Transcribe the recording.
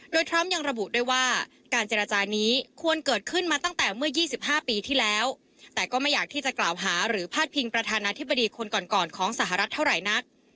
โดยทรัมป์ยังระบุด้วยว่าการเจรจานี้ควรเกิดขึ้นมาตั้งแต่เมื่อ๒๕ปีที่แล้วแต่ก็ไม่อยากที่จะกล่าวหาหรือพาดพิงประธานาธิบดีคนก่อนของสหรัฐเท่าไหร่นัก